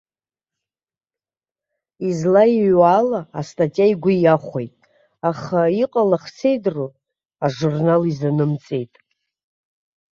Излаиҩуа ала, астатиа игәы иахәеит, аха, иҟалах сеидру, ажурнал изанымҵеит.